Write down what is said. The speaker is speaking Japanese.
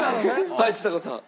はいちさ子さん。